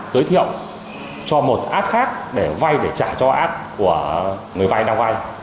đối thiệu cho một ad khác để vai để trả cho ad của người vai đang vai